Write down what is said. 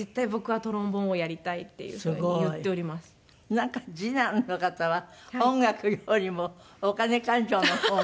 なんか次男の方は音楽よりもお金勘定の方が。